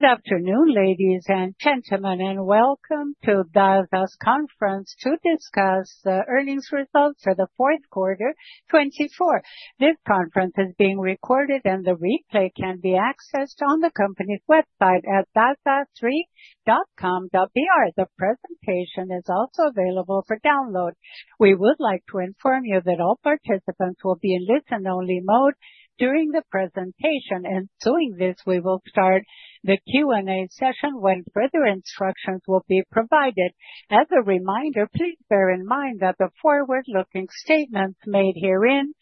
Good afternoon, ladies and gentlemen, and welcome to Dasa's conference to discuss the earnings results for the fourth quarter, 2024. This conference is being recorded, and the replay can be accessed on the company's website at dasa3.com.br. The presentation is also available for download. We would like to inform you that all participants will be in listen-only mode during the presentation, and doing this, we will start the Q&A session when further instructions will be provided. As a reminder, please bear in mind that the forward-looking statements made herein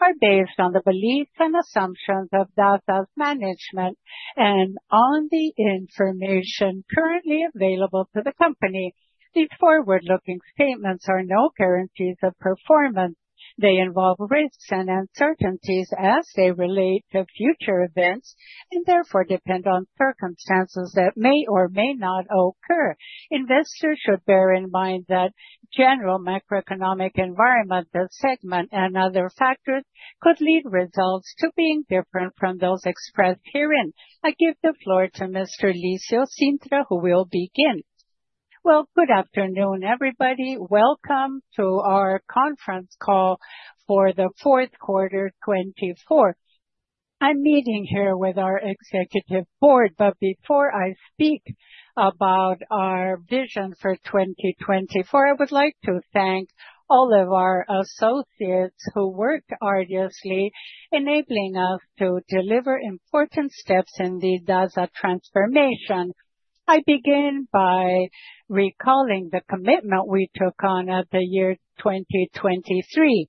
are based on the beliefs and assumptions of Dasa's management and on the information currently available to the company. These forward-looking statements are no guarantees of performance. They involve risks and uncertainties as they relate to future events and therefore depend on circumstances that may or may not occur. Investors should bear in mind that the general macroeconomic environment, the segment, and other factors could lead results to being different from those expressed here. I give the floor to Mr. Lício Cintra, who will begin. Good afternoon, everybody. Welcome to our conference call for the fourth quarter, 2024. I'm meeting here with our executive board, but before I speak about our vision for 2024, I would like to thank all of our associates who worked arduously, enabling us to deliver important steps in the Dasa transformation. I begin by recalling the commitment we took on at the year 2023.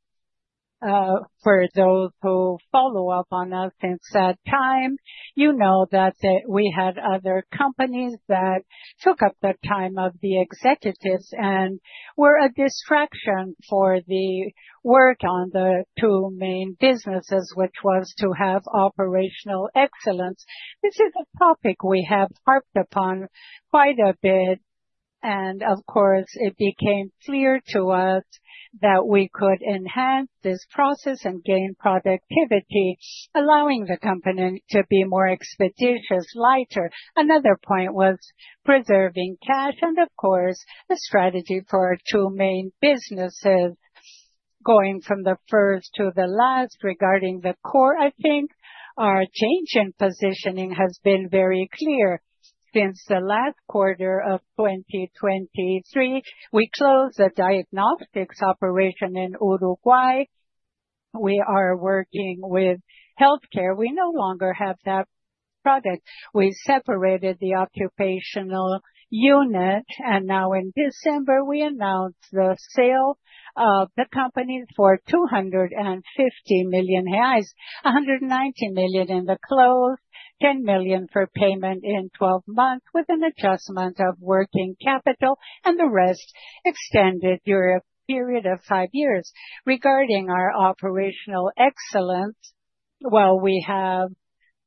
For those who follow up on us since that time, you know that we had other companies that took up the time of the executives and were a distraction for the work on the two main businesses, which was to have operational excellence. This is a topic we have harped upon quite a bit, and of course, it became clear to us that we could enhance this process and gain productivity, allowing the company to be more expeditious, lighter. Another point was preserving cash and, of course, a strategy for our two main businesses going from the first to the last regarding the core. I think our change in positioning has been very clear. Since the last quarter of 2023, we closed the diagnostics operation in Uruguay. We are working with healthcare. We no longer have that product. We separated the occupational unit, and now in December, we announced the sale of the company for 250 million reais. 190 million in the close, 10 million for payment in 12 months with an adjustment of working capital, and the rest extended over a period of five years. Regarding our operational excellence, we have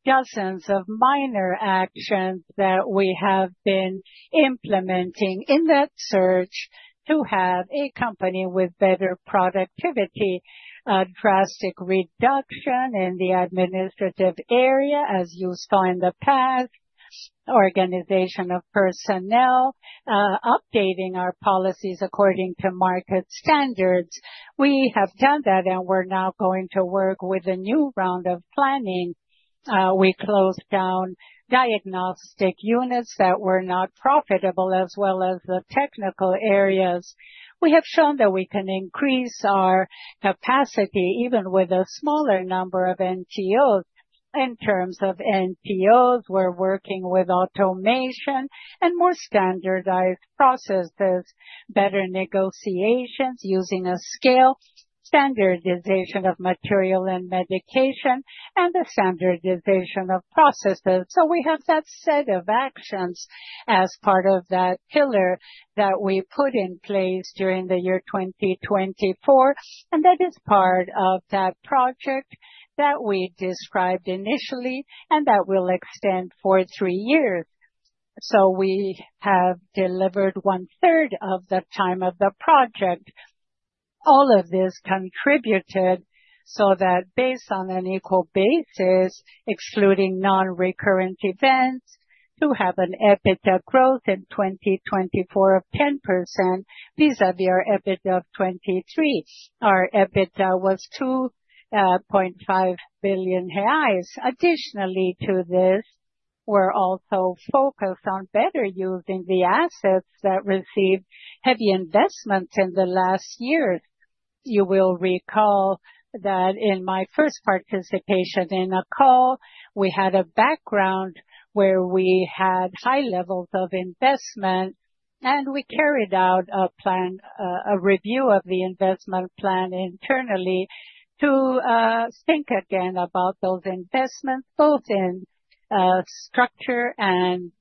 dozens of minor actions that we have been implementing in that search to have a company with better productivity, a drastic reduction in the administrative area, as you saw in the past, organization of personnel, updating our policies according to market standards. We have done that, and we're now going to work with a new round of planning. We closed down diagnostic units that were not profitable, as well as the technical areas. We have shown that we can increase our capacity even with a smaller number of NTOs. In terms of NTOs, we're working with automation and more standardized processes, better negotiations using a scale, standardization of material and medication, and the standardization of processes. We have that set of actions as part of that pillar that we put in place during the year 2024, and that is part of that project that we described initially and that will extend for three years. We have delivered one-third of the time of the project. All of this contributed so that, based on an equal basis, excluding non-recurrent events, to have an EBITDA growth in 2024 of 10% vis-à-vis our EBITDA of 2023. Our EBITDA was 2.5 billion reais. Additionally to this, we're also focused on better using the assets that received heavy investments in the last years. You will recall that in my first participation in a call, we had a background where we had high levels of investment, and we carried out a plan, a review of the investment plan internally to think again about those investments, both in structure and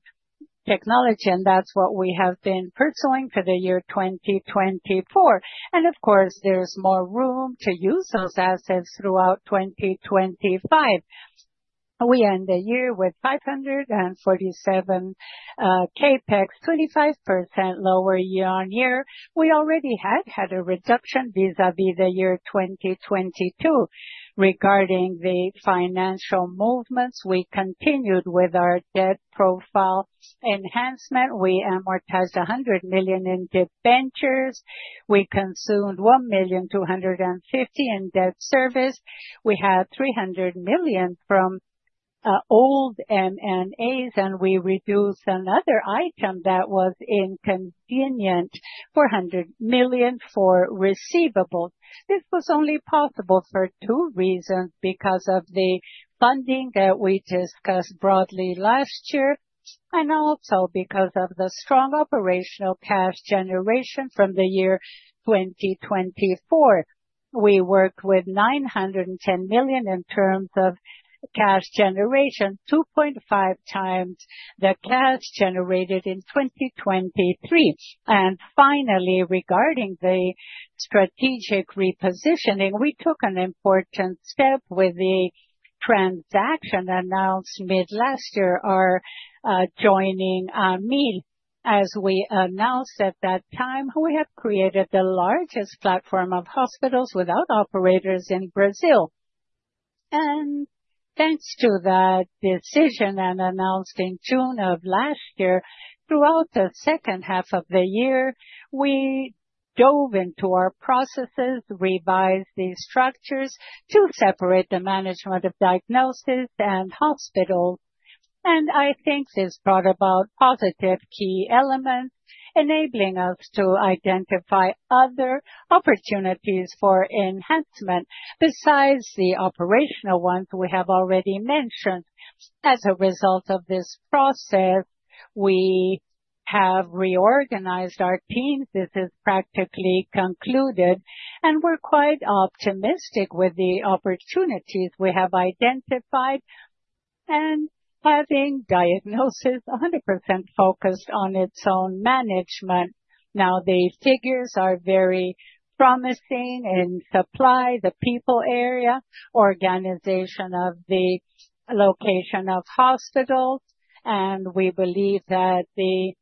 technology, and that is what we have been pursuing for the year 2024. Of course, there is more room to use those assets throughout 2025. We end the year with 547 million CapEx, 25% lower year-on-year. We already had had a reduction vis-à-vis the year 2022. Regarding the financial movements, we continued with our debt profile enhancement. We amortized 100 million in debentures. We consumed 1,250 million in debt service. We had 300 million from old M&As, and we reduced another item that was inconvenient, 400 million for receivables. This was only possible for two reasons: because of the funding that we discussed broadly last year, and also because of the strong operational cash generation from the year 2024. We worked with 910 million in terms of cash generation, 2.5 times the cash generated in 2023. Finally, regarding the strategic repositioning, we took an important step with the transaction announced mid-last year, our joining Amil. As we announced at that time, we have created the largest platform of hospitals without operators in Brazil. Thanks to that decision and announced in June of last year, throughout the second half of the year, we dove into our processes, revised these structures to separate the management of diagnosis and hospitals. I think this brought about positive key elements, enabling us to identify other opportunities for enhancement besides the operational ones we have already mentioned. As a result of this process, we have reorganized our team. This is practically concluded, and we're quite optimistic with the opportunities we have identified. Having diagnosis 100% focused on its own management, the figures are very promising in supply, the people area, organization of the location of hospitals, and we believe that the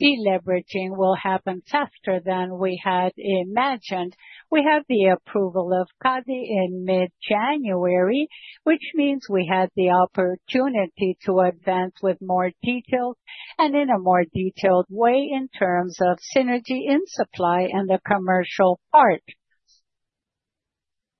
deleveraging will happen faster than we had imagined. We had the approval of CADE in mid-January, which means we had the opportunity to advance with more details and in a more detailed way in terms of synergy in supply and the commercial part.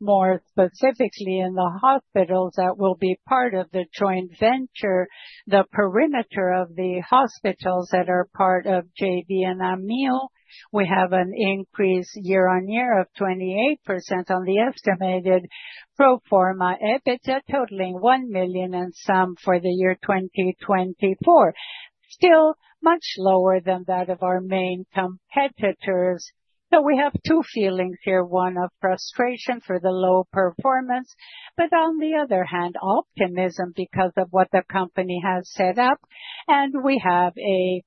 More specifically, in the hospitals that will be part of the joint venture, the perimeter of the hospitals that are part of JV and Amil, we have an increase year on year of 28% on the estimated pro forma EBITDA, totaling 1 billion and some for the year 2024, still much lower than that of our main competitors. We have two feelings here: one of frustration for the low performance, but on the other hand, optimism because of what the company has set up, and we have a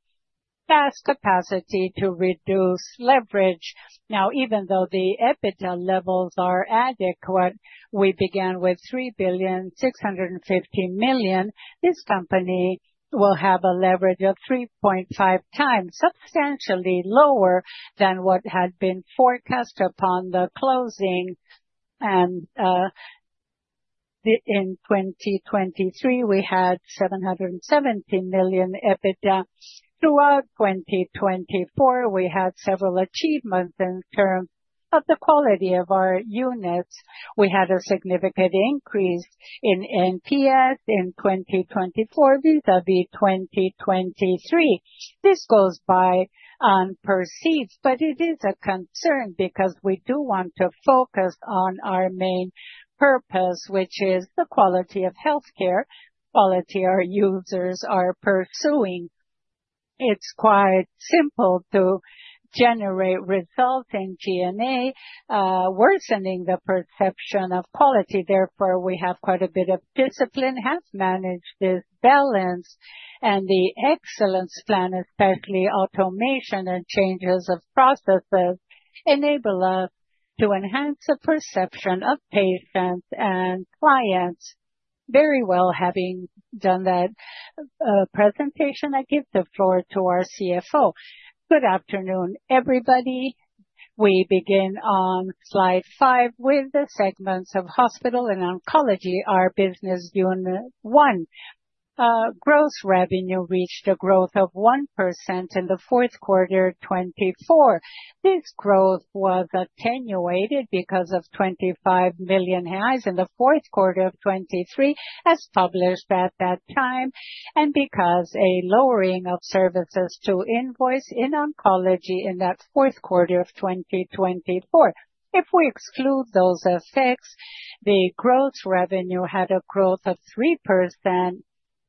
vast capacity to reduce leverage. Now, even though the EBITDA levels are adequate, we began with 3,650 million. This company will have a leverage of 3.5 times, substantially lower than what had been forecast upon the closing. In 2023, we had 770 million EBITDA. Throughout 2024, we had several achievements in terms of the quality of our units. We had a significant increase in NPS in 2024 vis-à-vis 2023. This goes by unperceived, but it is a concern because we do want to focus on our main purpose, which is the quality of healthcare, quality our users are pursuing. It's quite simple to generate results in G&A, worsening the perception of quality. Therefore, we have quite a bit of discipline, have managed this balance, and the excellence plan, especially automation and changes of processes, enable us to enhance the perception of patients and clients. Very well having done that presentation, I give the floor to our CFO. Good afternoon, everybody. We begin on slide five with the segments of hospital and oncology, our business unit one. Gross revenue reached a growth of 1% in the fourth quarter of 2024. This growth was attenuated because of 25 million in the fourth quarter of 2023, as published at that time, and because of a lowering of services to invoice in oncology in that fourth quarter of 2024. If we exclude those effects, the gross revenue had a growth of 3%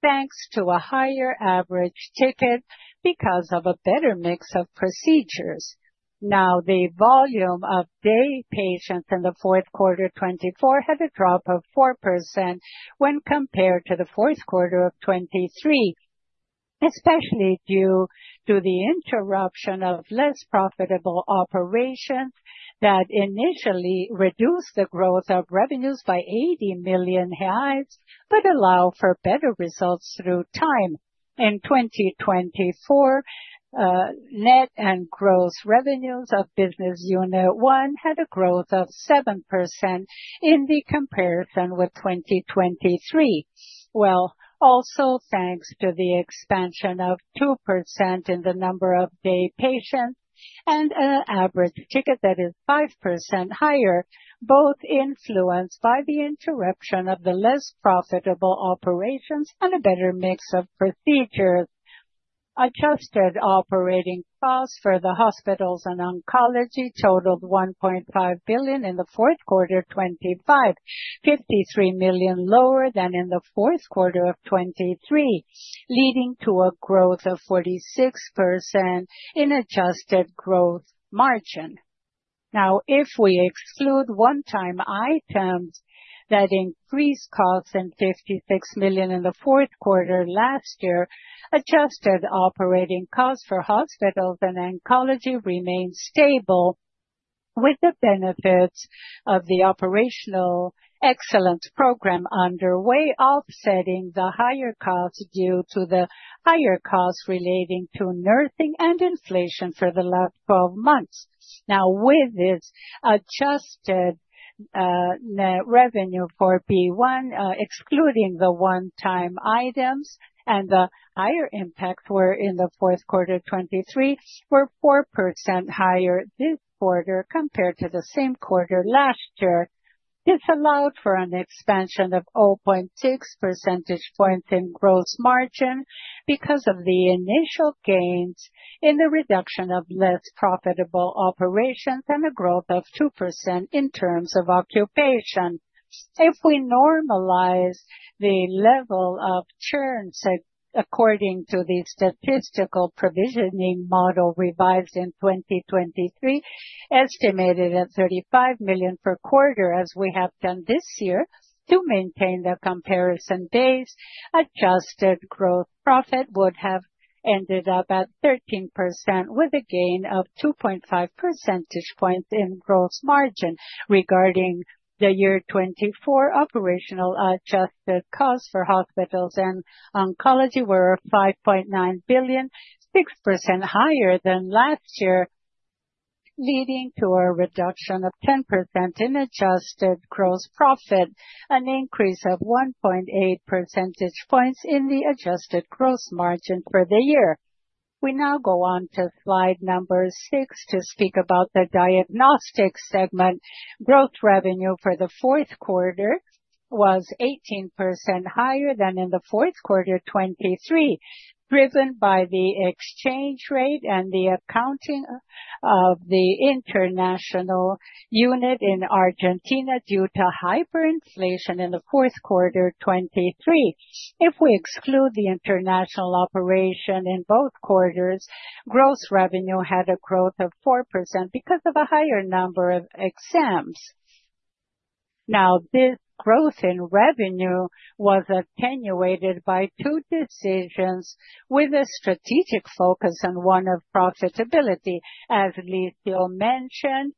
thanks to a higher average ticket because of a better mix of procedures. Now, the volume of day patients in the fourth quarter of 2024 had a drop of 4% when compared to the fourth quarter of 2023, especially due to the interruption of less profitable operations that initially reduced the growth of revenues by 80 million, but allow for better results through time. In 2024, net and gross revenues of business unit one had a growth of 7% in the comparison with 2023. Thanks to the expansion of 2% in the number of day patients and an average ticket that is 5% higher, both influenced by the interruption of the less profitable operations and a better mix of procedures. Adjusted operating costs for the hospitals and oncology totaled 1.5 billion in the fourth quarter of 2025, 53 million lower than in the fourth quarter of 2023, leading to a growth of 46% in adjusted gross margin. Now, if we exclude one-time items that increased costs by 56 million in the fourth quarter last year, adjusted operating costs for hospitals and oncology remained stable, with the benefits of the operational excellence program underway offsetting the higher costs due to the higher costs relating to nursing and inflation for the last 12 months. Now, with this adjusted revenue for B1, excluding the one-time items and the higher impacts in the fourth quarter of 2023, were 4% higher this quarter compared to the same quarter last year. This allowed for an expansion of 0.6 percentage points in gross margin because of the initial gains in the reduction of less profitable operations and a growth of 2% in terms of occupation. If we normalize the level of churn according to the statistical provisioning model revised in 2023, estimated at 35 million per quarter, as we have done this year, to maintain the comparison base, adjusted gross profit would have ended up at 13% with a gain of 2.5 percentage points in gross margin. Regarding the year 2024, operational adjusted costs for hospitals and oncology were 5.9 billion, 6% higher than last year, leading to a reduction of 10% in adjusted gross profit, an increase of 1.8 percentage points in the adjusted gross margin for the year. We now go on to slide number six to speak about the diagnostic segment. Gross revenue for the fourth quarter was 18% higher than in the fourth quarter of 2023, driven by the exchange rate and the accounting of the international unit in Argentina due to hyperinflation in the fourth quarter of 2023. If we exclude the international operation in both quarters, gross revenue had a growth of 4% because of a higher number of exams. Now, this growth in revenue was attenuated by two decisions with a strategic focus on one of profitability. As Lício mentioned,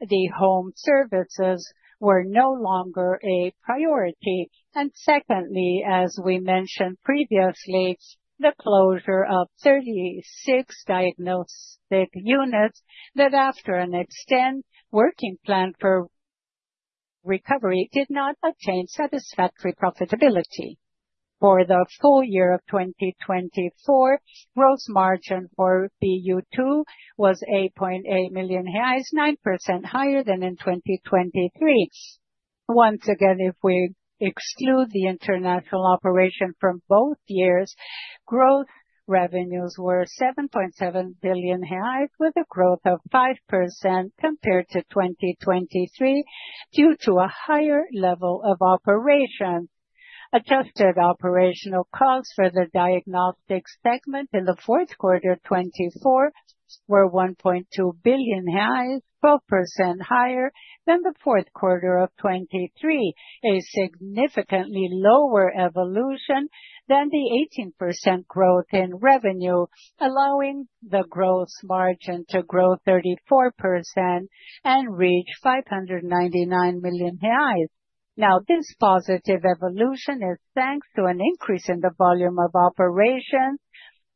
the home services were no longer a priority. Secondly, as we mentioned previously, the closure of 36 diagnostic units that, after an extended working plan for recovery, did not attain satisfactory profitability. For the full year of 2024, gross margin for BU2 was 8.8 million reais, 9% higher than in 2023. Once again, if we exclude the international operation from both years, gross revenues were 7.7 billion reais, with a growth of 5% compared to 2023 due to a higher level of operation. Adjusted operational costs for the diagnostic segment in the fourth quarter of 2024 were 1.2 billion, 12% higher than the fourth quarter of 2023, a significantly lower evolution than the 18% growth in revenue, allowing the gross margin to grow 34% and reach 599 million reais. Now, this positive evolution is thanks to an increase in the volume of operations,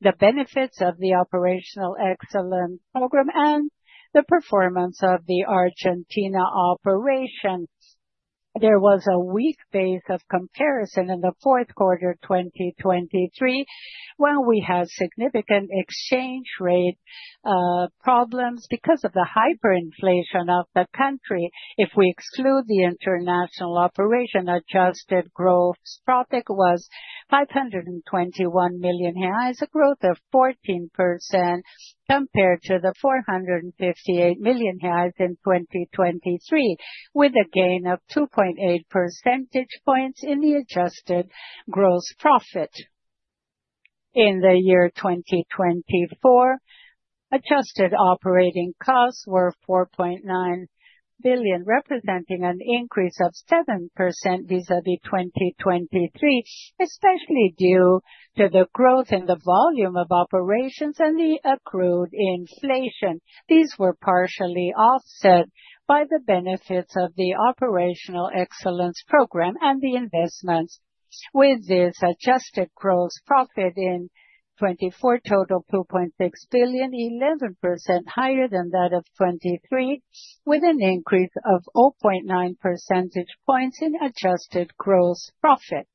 the benefits of the Operational Excellence Program, and the performance of the Argentina operation. There was a weak base of comparison in the fourth quarter of 2023 when we had significant exchange rate problems because of the hyperinflation of the country. If we exclude the international operation, adjusted gross profit was 521 million, a growth of 14% compared to the 458 million in 2023, with a gain of 2.8 percentage points in the adjusted gross profit. In the year 2024, adjusted operating costs were 4.9 billion, representing an increase of 7% vis-à-vis 2023, especially due to the growth in the volume of operations and the accrued inflation. These were partially offset by the benefits of the Operational Excellence Program and the investments. With this adjusted gross profit in 2024, totaled 2.6 billion, 11% higher than that of 2023, with an increase of 0.9 percentage points in adjusted gross profit.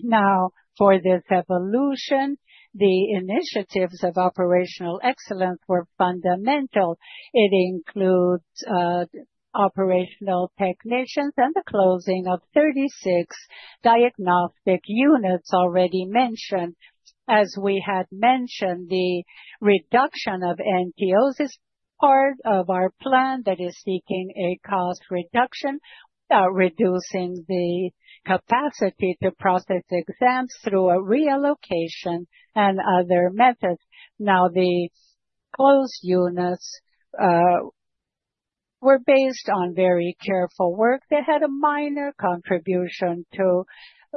Now, for this evolution, the initiatives of operational excellence were fundamental. It includes operational technicians and the closing of 36 diagnostic units already mentioned. As we had mentioned, the reduction of NTOs is part of our plan that is seeking a cost reduction, reducing the capacity to process exams through a reallocation and other methods. Now, the closed units were based on very careful work. They had a minor contribution to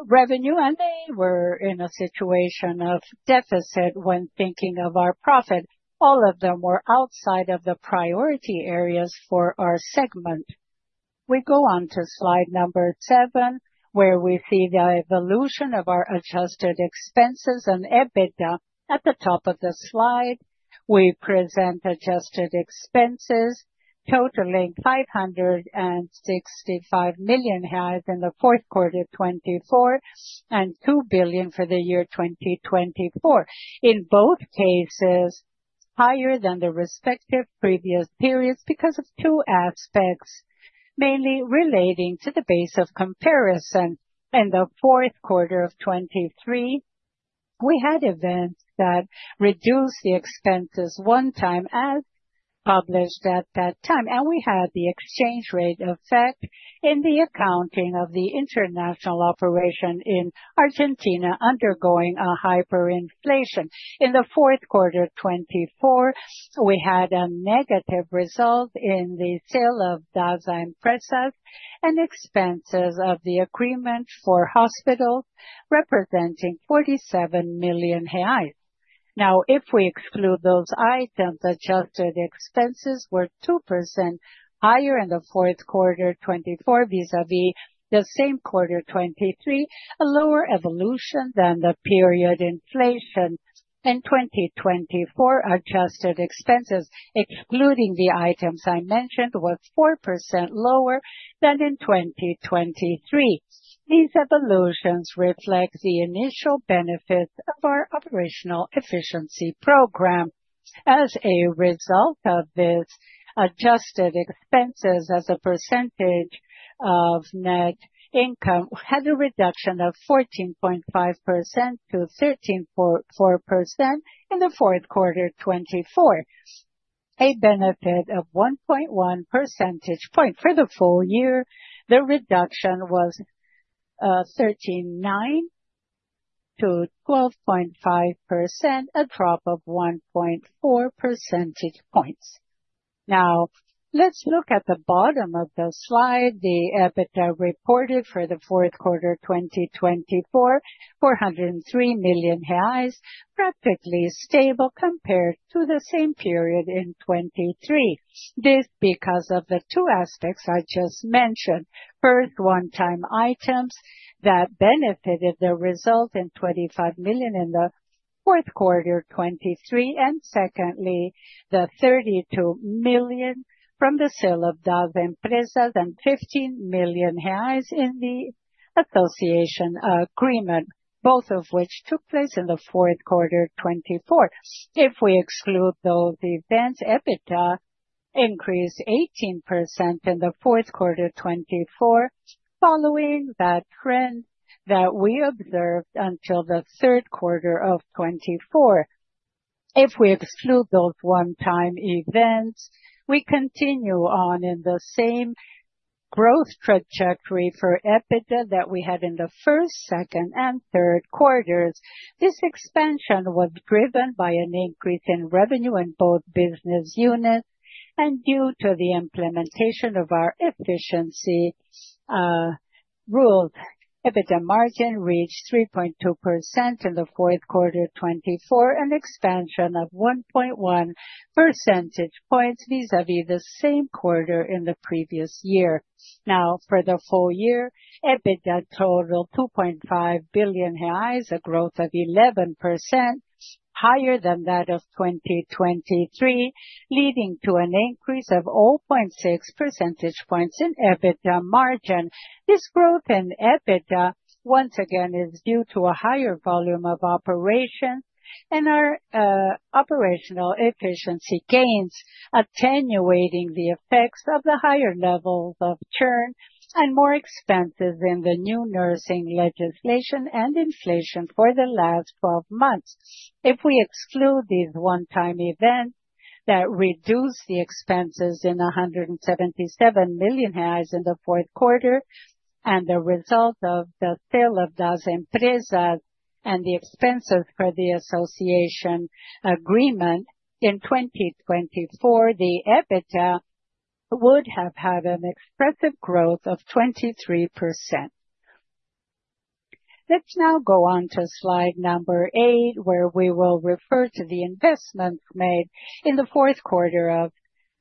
revenue, and they were in a situation of deficit when thinking of our profit. All of them were outside of the priority areas for our segment. We go on to slide number seven, where we see the evolution of our adjusted expenses and EBITDA at the top of the slide. We present adjusted expenses totaling 565 million in the fourth quarter of 2024 and 2 billion for the year 2024. In both cases, higher than the respective previous periods because of two aspects, mainly relating to the base of comparison. In the fourth quarter of 2023, we had events that reduced the expenses one time, as published at that time, and we had the exchange rate effect in the accounting of the international operation in Argentina undergoing a hyperinflation. In the fourth quarter of 2024, we had a negative result in the sale of Dasa Empresas and expenses of the agreement for hospitals, representing 47 million reais. Now, if we exclude those items, adjusted expenses were 2% higher in the fourth quarter of 2024 vis-à-vis the same quarter of 2023, a lower evolution than the period inflation. In 2024, adjusted expenses, excluding the items I mentioned, were 4% lower than in 2023. These evolutions reflect the initial benefits of our operational efficiency program. As a result of this, adjusted expenses as a percentage of net income had a reduction of 14.5%-13.4% in the fourth quarter of 2024, a benefit of 1.1 percentage points. For the full year, the reduction was 13.9%-12.5%, a drop of 1.4 percentage points. Now, let's look at the bottom of the slide. The EBITDA reported for the fourth quarter of 2024, 403 million reais, practically stable compared to the same period in 2023. This is because of the two aspects I just mentioned. First, one-time items that benefited the result in 25 million in the fourth quarter of 2023, and secondly, the 32 million from the sale of Dasa Empresas and 15 million reais in the association agreement, both of which took place in the fourth quarter of 2024. If we exclude, though, the events, EBITDA increased 18% in the fourth quarter of 2024, following that trend that we observed until the third quarter of 2024. If we exclude those one-time events, we continue on in the same growth trajectory for EBITDA that we had in the first, second, and third quarters. This expansion was driven by an increase in revenue in both business units, and due to the implementation of our efficiency rules, EBITDA margin reached 3.2% in the fourth quarter of 2024, an expansion of 1.1 percentage points vis-à-vis the same quarter in the previous year. Now, for the full year, EBITDA totaled 2.5 billion reais, a growth of 11% higher than that of 2023, leading to an increase of 0.6 percentage points in EBITDA margin. This growth in EBITDA, once again, is due to a higher volume of operations and our operational efficiency gains, attenuating the effects of the higher levels of churn and more expenses in the new nursing legislation and inflation for the last 12 months. If we exclude these one-time events that reduced the expenses in 177 million reais in the fourth quarter and the result of the sale of Dasa Empresas and the expenses for the association agreement in 2024, the EBITDA would have had an expressive growth of 23%. Let's now go on to slide number eight, where we will refer to the investments made in the fourth quarter of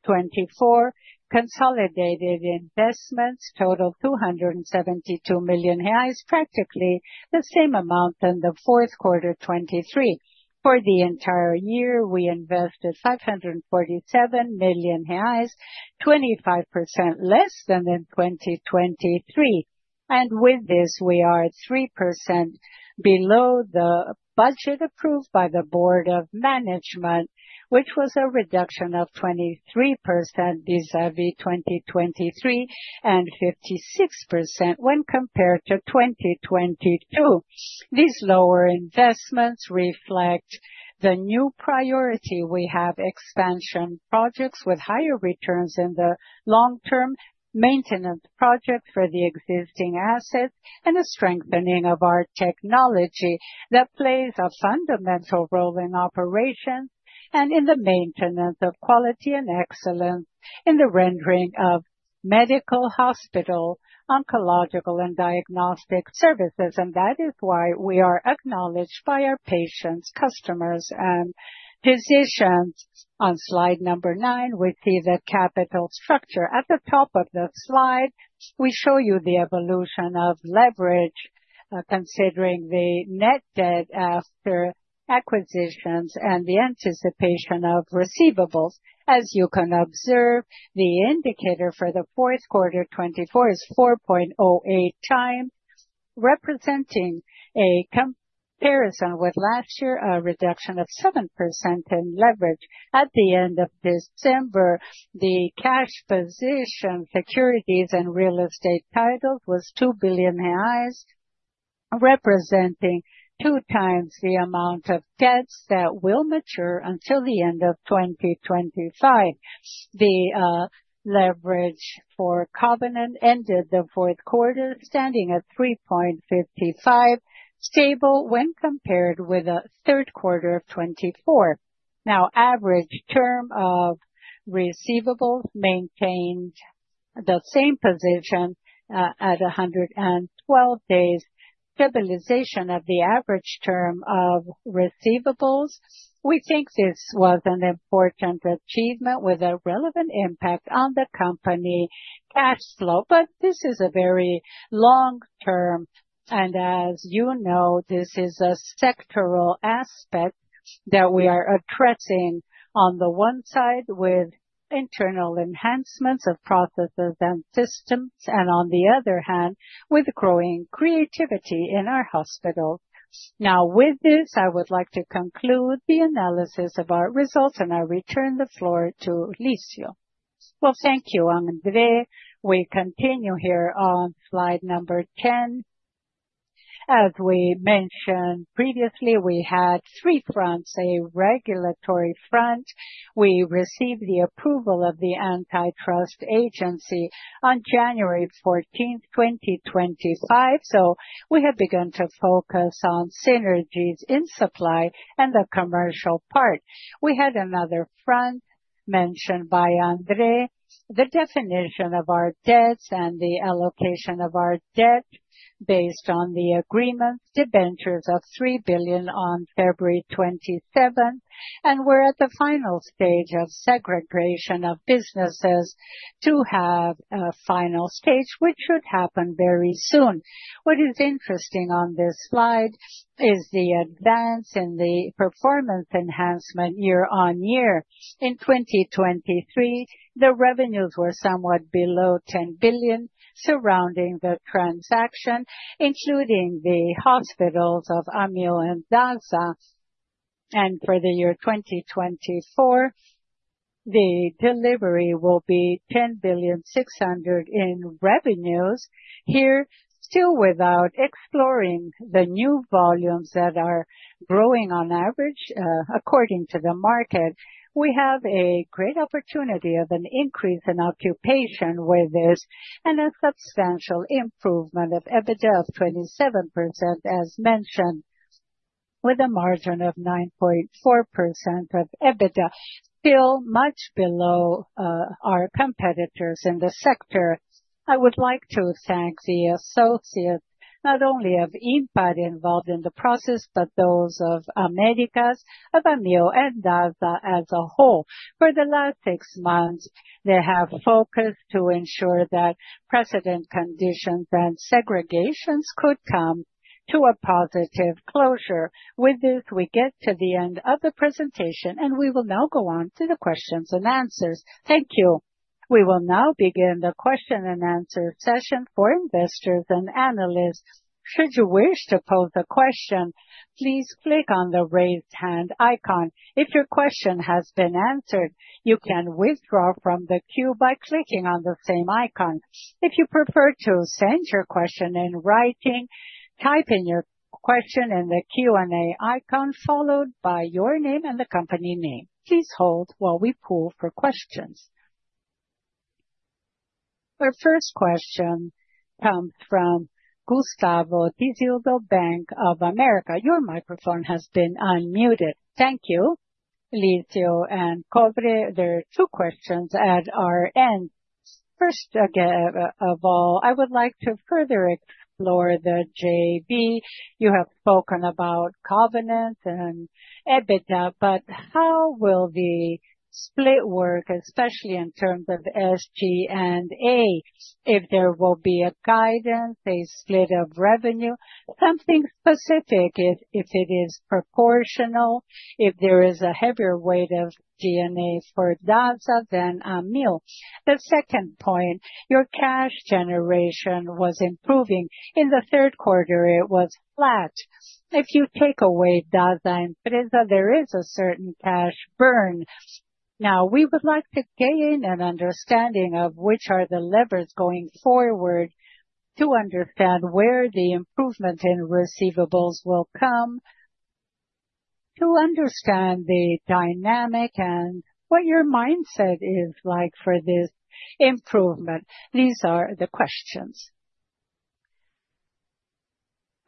2024. Consolidated investments totaled 272 million reais, practically the same amount as the fourth quarter of 2023. For the entire year, we invested 547 million reais, 25% less than in 2023. With this, we are 3% below the budget approved by the Board of Management, which was a reduction of 23% vis-à-vis 2023 and 56% when compared to 2022. These lower investments reflect the new priority we have: expansion projects with higher returns in the long-term maintenance project for the existing assets and the strengthening of our technology that plays a fundamental role in operations and in the maintenance of quality and excellence in the rendering of medical, hospital, oncological, and diagnostic services. That is why we are acknowledged by our patients, customers, and physicians. On slide number nine, we see the capital structure. At the top of the slide, we show you the evolution of leverage, considering the net debt after acquisitions and the anticipation of receivables. As you can observe, the indicator for the fourth quarter of 2024 is 4.08 times, representing a comparison with last year, a reduction of 7% in leverage. At the end of December, the cash position, securities, and real estate titles was 2 billion reais, representing two times the amount of debts that will mature until the end of 2025. The leverage for Covenant ended the fourth quarter, standing at 3.55, stable when compared with the third quarter of 2024. Now, average term of receivables maintained the same position at 112 days. Stabilization of the average term of receivables. We think this was an important achievement with a relevant impact on the company cash flow. This is a very long term. As you know, this is a sectoral aspect that we are addressing on the one side with internal enhancements of processes and systems, and on the other hand, with growing creativity in our hospitals. With this, I would like to conclude the analysis of our results, and I return the floor to Licio. Thank you, Andre. We continue here on slide number 10. As we mentioned previously, we had three fronts, a regulatory front. We received the approval of the Antitrust Agency on January 14, 2025. We had begun to focus on synergies in supply and the commercial part. We had another front mentioned by Andre, the definition of our debts and the allocation of our debt based on the agreement, the ventures of 3 billion on February 27. We are at the final stage of segregation of businesses to have a final stage, which should happen very soon. What is interesting on this slide is the advance in the performance enhancement year-on-year. In 2023, the revenues were somewhat below 10 billion surrounding the transaction, including the hospitals of Amil and Dasa. For the year 2024, the delivery will be 10.6 billion in revenues. Here, still without exploring the new volumes that are growing on average according to the market, we have a great opportunity of an increase in occupation with this and a substantial improvement of EBITDA of 27%, as mentioned, with a margin of 9.4% of EBITDA, still much below our competitors in the sector. I would like to thank the associates, not only of Ímpar involved in the process, but those of Rede Américas, of Amil and Dasa as a whole. For the last six months, they have focused to ensure that precedent conditions and segregations could come to a positive closure. With this, we get to the end of the presentation, and we will now go on to the questions and answers. Thank you. We will now begin the question and answer session for investors and analysts. Should you wish to pose a question, please click on the raised hand icon. If your question has been answered, you can withdraw from the queue by clicking on the same icon. If you prefer to send your question in writing, type in your question in the Q&A icon, followed by your name and the company name. Please hold while we pull for questions. Our first question comes from Gustavo Tiseo, Bank of America. Your microphone has been unmuted. Thank you. Lício and Covre, there are two questions at our end. First of all, I would like to further explore the JV. You have spoken about Covenant and EBITDA, but how will the split work, especially in terms of G&A? If there will be a guidance, a split of revenue, something specific, if it is proportional, if there is a heavier weight of G&A for Dasa than Amil. The second point, your cash generation was improving. In the third quarter, it was flat. If you take away Dasa and PRESA, there is a certain cash burn. Now, we would like to gain an understanding of which are the levers going forward to understand where the improvement in receivables will come, to understand the dynamic and what your mindset is like for this improvement. These are the questions.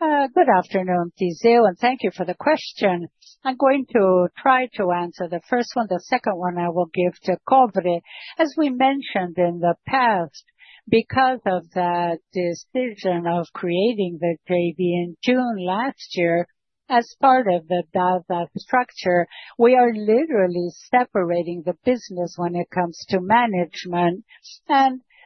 Good afternoon, Tiseo, and thank you for the question. I'm going to try to answer the first one. The second one I will give to Covre. As we mentioned in the past, because of that decision of creating the JV in June last year as part of the Dasa structure, we are literally separating the business when it comes to management.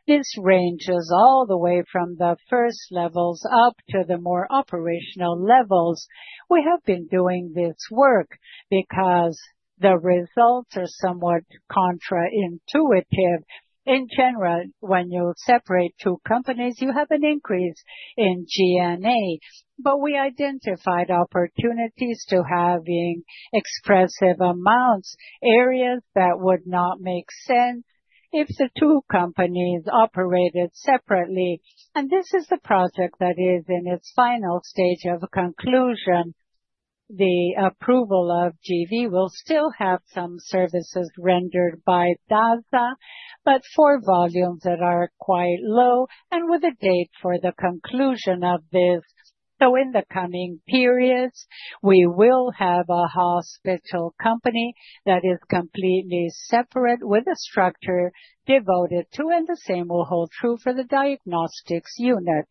This ranges all the way from the first levels up to the more operational levels. We have been doing this work because the results are somewhat counterintuitive. In general, when you separate two companies, you have an increase in G&A. We identified opportunities to have expressive amounts, areas that would not make sense if the two companies operated separately. This is the project that is in its final stage of conclusion. The approval of JV will still have some services rendered by Dasa, but for volumes that are quite low and with a date for the conclusion of this. In the coming periods, we will have a hospital company that is completely separate with a structure devoted to, and the same will hold true for the diagnostics unit.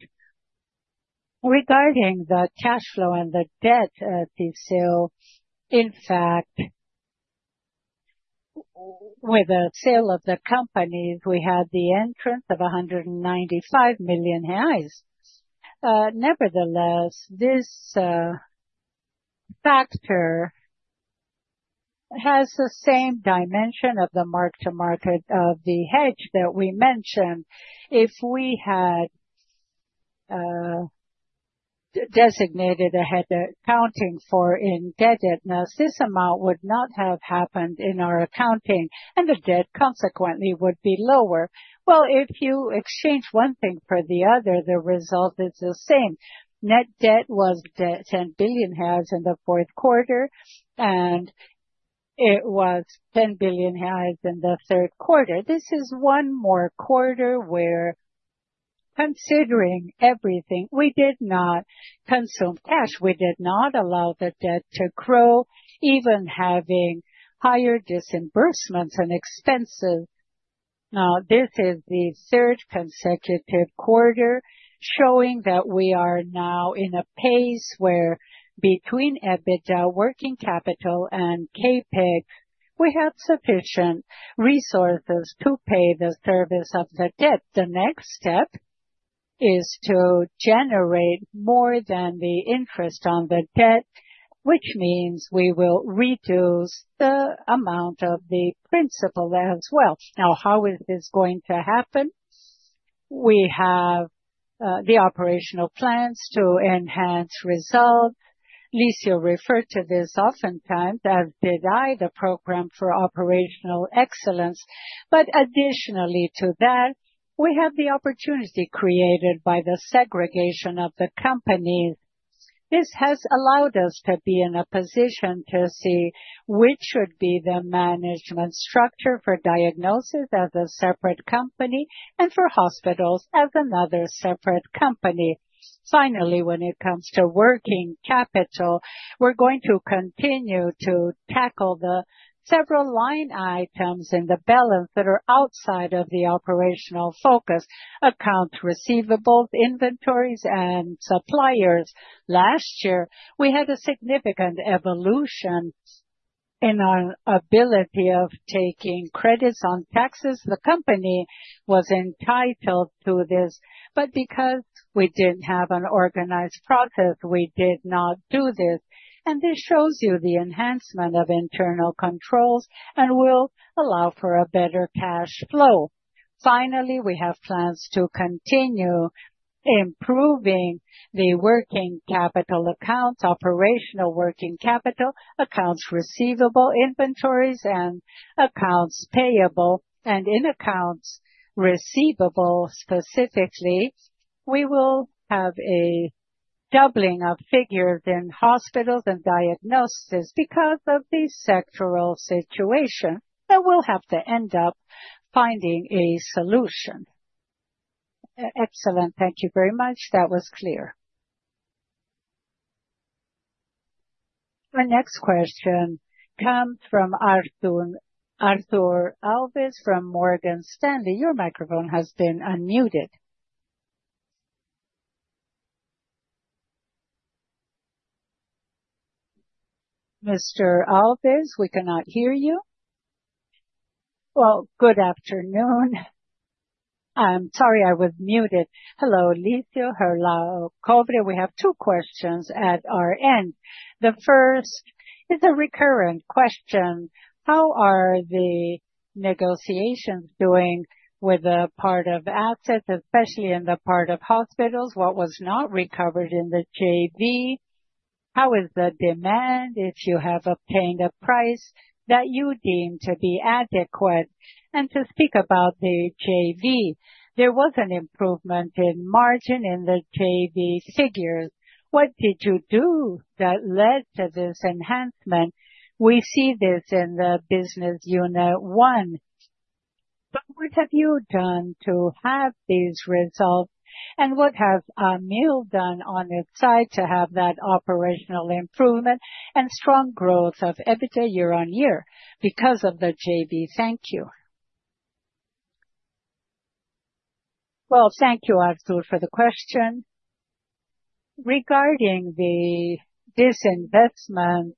Regarding the cash flow and the debt, Tiseo, in fact, with the sale of the companies, we had the entrance of 195 million. Nevertheless, this factor has the same dimension of the mark-to-market of the hedge that we mentioned. If we had designated a head of accounting for indebtedness, this amount would not have happened in our accounting, and the debt consequently would be lower. If you exchange one thing for the other, the result is the same. Net debt was 10 billion in the fourth quarter, and it was 10 billion in the third quarter. This is one more quarter where, considering everything, we did not consume cash. We did not allow the debt to grow, even having higher disbursements and expenses. Now, this is the third consecutive quarter showing that we are now in a pace where between EBITDA, working capital, and CAPEX, we have sufficient resources to pay the service of the debt. The next step is to generate more than the interest on the debt, which means we will reduce the amount of the principal as well. Now, how is this going to happen? We have the operational plans to enhance results. Licio referred to this oftentimes as DEDI, the Program for Operational Excellence. Additionally to that, we have the opportunity created by the segregation of the companies. This has allowed us to be in a position to see which should be the management structure for diagnosis as a separate company and for hospitals as another separate company. Finally, when it comes to working capital, we're going to continue to tackle the several line items in the balance that are outside of the operational focus: accounts receivable, inventories, and suppliers. Last year, we had a significant evolution in our ability of taking credits on taxes. The company was entitled to this, but because we did not have an organized process, we did not do this. This shows you the enhancement of internal controls and will allow for a better cash flow. Finally, we have plans to continue improving the working capital accounts, operational working capital, accounts receivable, inventories, and accounts payable. In accounts receivable specifically, we will have a doubling of figures in hospitals and diagnosis because of the sectoral situation. We will have to end up finding a solution. Excellent. Thank you very much. That was clear. Our next question comes from Arthur Alves from Morgan Stanley. Your microphone has been unmuted. Mr. Alves, we cannot hear you. Good afternoon. I'm sorry I was muted. Hello, Licio, hello, Covre. We have two questions at our end. The first is a recurrent question. How are the negotiations going with the part of assets, especially in the part of hospitals? What was not recovered in the JV? How is the demand if you have obtained a price that you deem to be adequate? To speak about the JV, there was an improvement in margin in the JV figures. What did you do that led to this enhancement? We see this in the business unit one. What have you done to have these results? What has Amil done on its side to have that operational improvement and strong growth of EBITDA year-on-year because of the JV? Thank you. Thank you, Arthur, for the question. Regarding the disinvestment,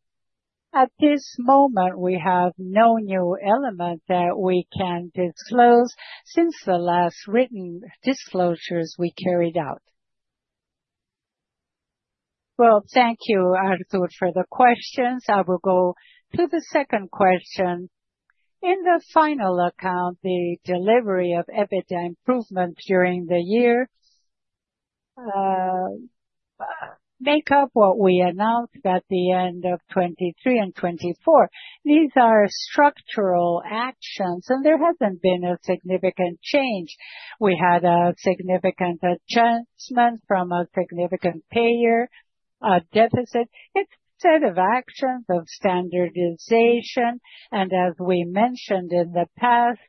at this moment, we have no new element that we can disclose since the last written disclosures we carried out. Thank you, Arthur, for the questions. I will go to the second question. In the final account, the delivery of EBITDA improvement during the year makes up what we announced at the end of 2023 and 2024. These are structural actions, and there has not been a significant change. We had a significant adjustment from a significant payer deficit. It is a set of actions of standardization. As we mentioned in the past,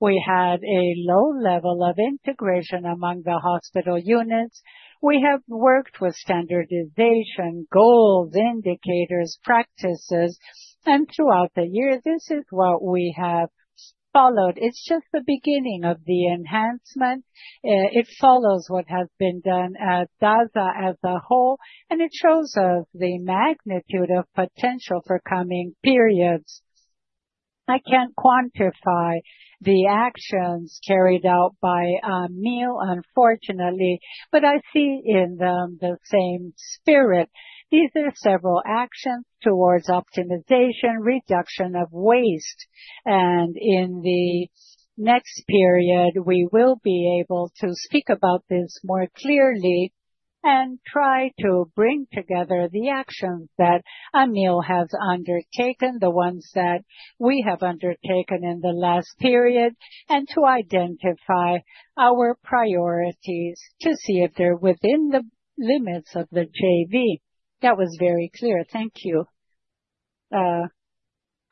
we had a low level of integration among the hospital units. We have worked with standardization goals, indicators, practices, and throughout the year, this is what we have followed. It is just the beginning of the enhancement. It follows what has been done at Dasa as a whole, and it shows us the magnitude of potential for coming periods. I can't quantify the actions carried out by Amil, unfortunately, but I see in them the same spirit. These are several actions towards optimization, reduction of waste. In the next period, we will be able to speak about this more clearly and try to bring together the actions that Amil has undertaken, the ones that we have undertaken in the last period, and to identify our priorities to see if they're within the limits of the JV. That was very clear. Thank you.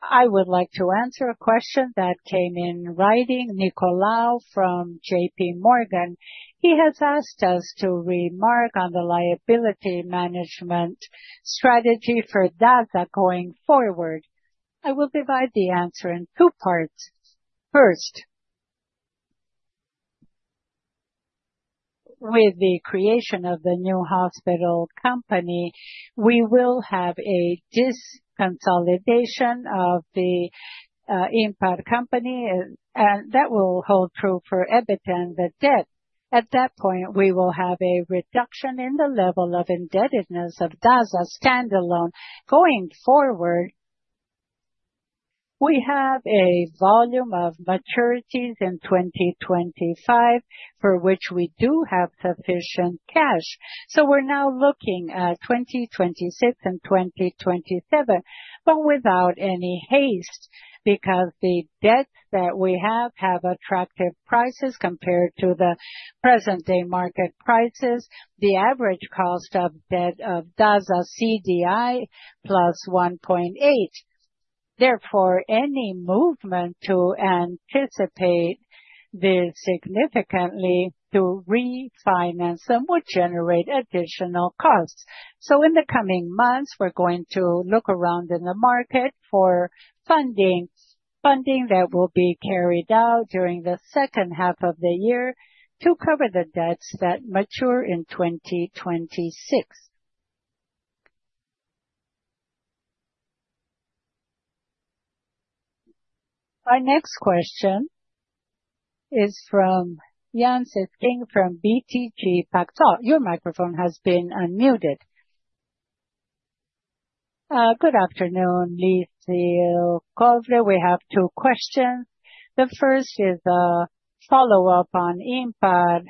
I would like to answer a question that came in writing. Nicolau from JP Morgan. He has asked us to remark on the liability management strategy for Dasa going forward. I will divide the answer in two parts. First, with the creation of the new hospital company, we will have a disconsolidation of the Ímpar company, and that will hold true for EBITDA and the debt. At that point, we will have a reduction in the level of indebtedness of Dasa standalone going forward. We have a volume of maturities in 2025 for which we do have sufficient cash. We are now looking at 2026 and 2027, but without any haste because the debts that we have have attractive prices compared to the present-day market prices. The average cost of debt of Dasa is CDI+ 1.8. Therefore, any movement to anticipate this significantly to refinance them would generate additional costs. In the coming months, we are going to look around in the market for funding that will be carried out during the second half of the year to cover the debts that mature in 2026. Our next question is from Yan Cesquim from BTG Pactual. Your microphone has been unmuted. Good afternoon, Lício or Covre. We have two questions. The first is a follow-up on Ímpar.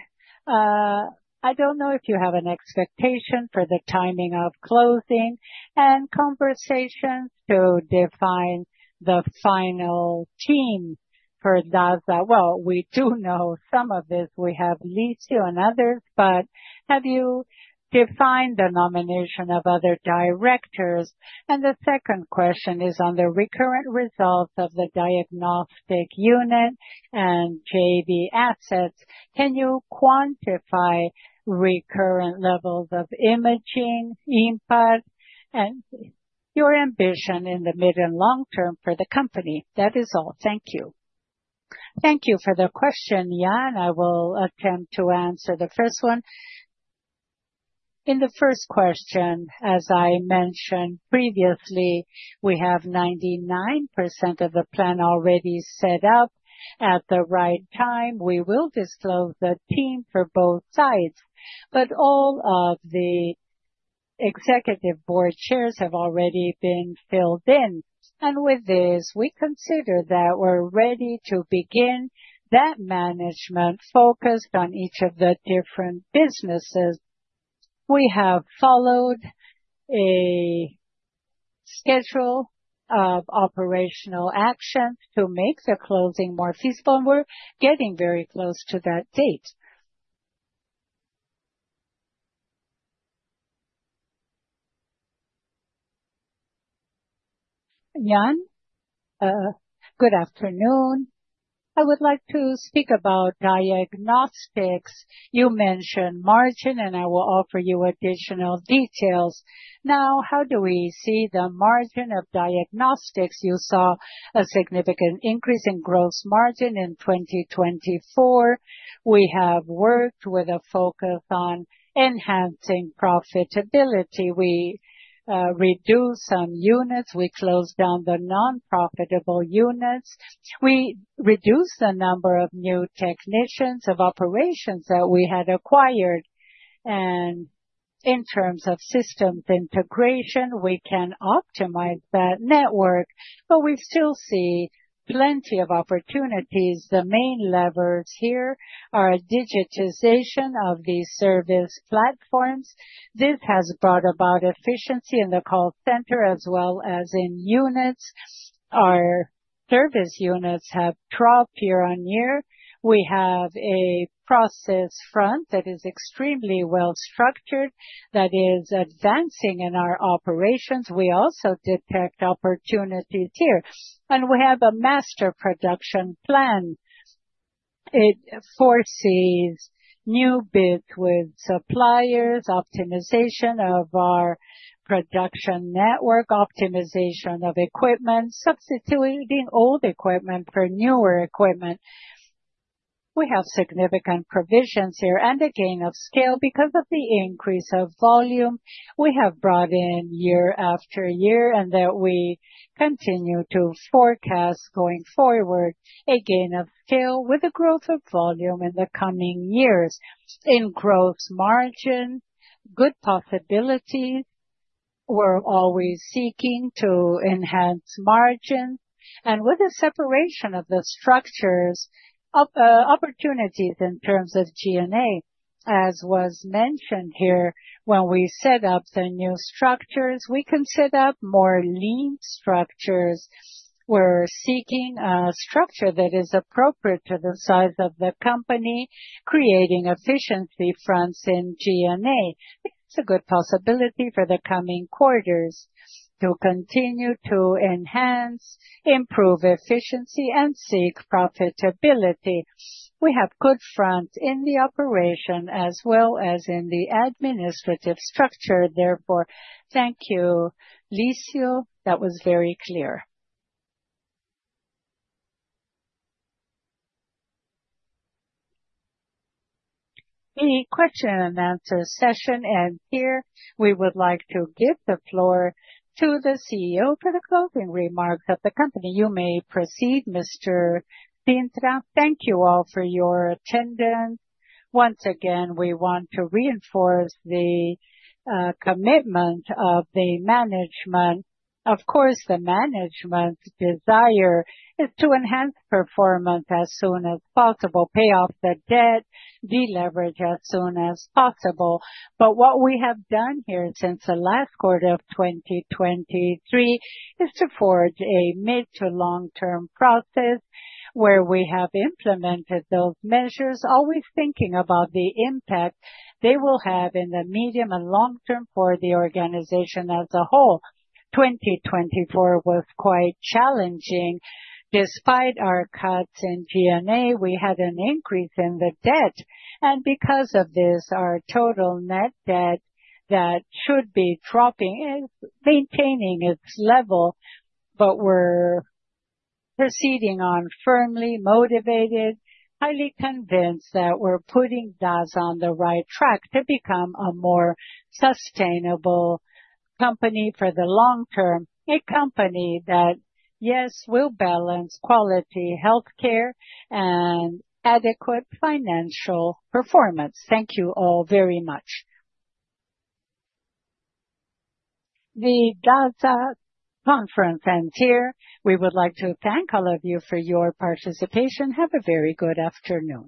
I do not know if you have an expectation for the timing of closing and conversations to define the final team for Dasa. We do know some of this. We have Lício and others, but have you defined the nomination of other directors? The second question is on the recurrent results of the diagnostic unit and JV assets. Can you quantify recurrent levels of imaging, Ímpar, and your ambition in the mid and long term for the company? That is all. Thank you. Thank you for the question, Yan. I will attempt to answer the first one. In the first question, as I mentioned previously, we have 99% of the plan already set up at the right time. We will disclose the team for both sides, but all of the executive board chairs have already been filled in. With this, we consider that we're ready to begin that management focused on each of the different businesses. We have followed a schedule of operational actions to make the closing more feasible, and we're getting very close to that date. Yan? Good afternoon. I would like to speak about diagnostics. You mentioned margin, and I will offer you additional details. Now, how do we see the margin of diagnostics? You saw a significant increase in gross margin in 2024. We have worked with a focus on enhancing profitability. We reduced some units. We closed down the nonprofitable units. We reduced the number of new technicians of operations that we had acquired. In terms of systems integration, we can optimize that network, but we still see plenty of opportunities. The main levers here are digitization of these service platforms. This has brought about efficiency in the call center as well as in units. Our service units have dropped year on year. We have a process front that is extremely well-structured that is advancing in our operations. We also detect opportunities here. We have a master production plan. It foresees new bids with suppliers, optimization of our production network, optimization of equipment, substituting old equipment for newer equipment. We have significant provisions here and a gain of scale because of the increase of volume. We have brought in year after year, and that we continue to forecast going forward a gain of scale with a growth of volume in the coming years. In gross margin, good possibilities. We are always seeking to enhance margin. With the separation of the structures, opportunities in terms of G&A, as was mentioned here, when we set up the new structures, we can set up more lean structures. We are seeking a structure that is appropriate to the size of the company, creating efficiency fronts in G&A. It is a good possibility for the coming quarters to continue to enhance, improve efficiency, and seek profitability. We have good fronts in the operation as well as in the administrative structure. Therefore, thank you, Licio. That was very clear. The question and answer session ends here. We would like to give the floor to the CEO for the closing remarks of the company. You may proceed, Mr. Cintra. Thank you all for your attendance. Once again, we want to reinforce the commitment of the management. Of course, the management's desire is to enhance performance as soon as possible, pay off the debt, deleverage as soon as possible. What we have done here since the last quarter of 2023 is to forge a mid to long-term process where we have implemented those measures, always thinking about the impact they will have in the medium and long term for the organization as a whole. 2024 was quite challenging. Despite our cuts in G&A, we had an increase in the debt. Because of this, our total net debt that should be dropping is maintaining its level. We are proceeding on firmly, motivated, highly convinced that we are putting Dasa on the right track to become a more sustainable company for the long term, a company that, yes, will balance quality, healthcare, and adequate financial performance. Thank you all very much. The Dasa conference ends here. We would like to thank all of you for your participation. Have a very good afternoon.